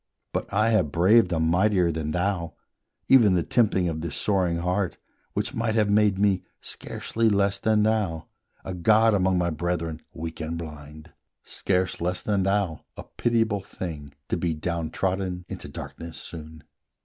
But I have braved a mightier than thou, Even the tempting of this soaring heart, Which might have made me, scarcely less than thou, A god among my brethren weak and blind, Scarce less than thou, a pitiable thing To be down trodden into darkness soon.